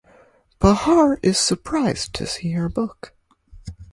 Bahar is surprised to see her book.